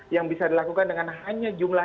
yang bisa dilakukan dengan hanya jumlah